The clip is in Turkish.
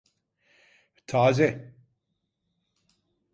Taze…